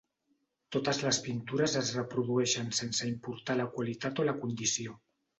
Totes les pintures es reprodueixen sense importar la qualitat o la condició.